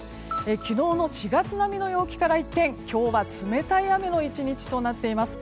昨日の４月並みの陽気から一転今日は冷たい雨の１日となっています。